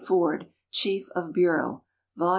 Ford, Chief of Bureau. Vol.